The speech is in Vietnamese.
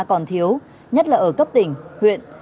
còn thiếu nhất là ở cấp tỉnh huyện